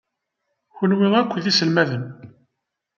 Kenwi akk d iselmaden.